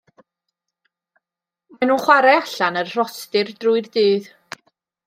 Maen nhw'n chwarae allan ar y rhostir drwy'r dydd.